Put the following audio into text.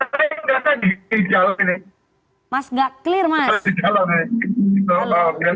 halo dengar gak suara saya